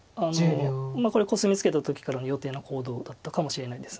これコスミツケた時からの予定の行動だったかもしれないです。